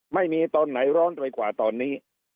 ไม่มีตอนไหนร้อนไปกว่าตอนนี้